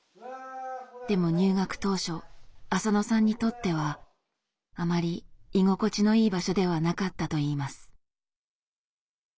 でも入学当初浅野さんにとってはあまり居心地のいい場所ではなかったといいます。